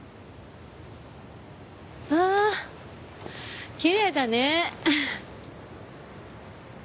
ああきれいだね。